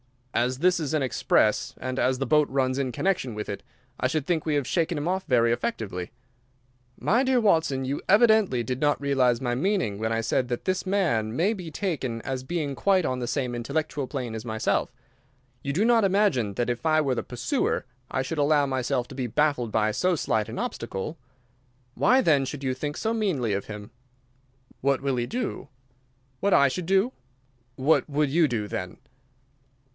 "As this is an express, and as the boat runs in connection with it, I should think we have shaken him off very effectively." "My dear Watson, you evidently did not realize my meaning when I said that this man may be taken as being quite on the same intellectual plane as myself. You do not imagine that if I were the pursuer I should allow myself to be baffled by so slight an obstacle. Why, then, should you think so meanly of him?" "What will he do?" "What I should do?" "What would you do, then?"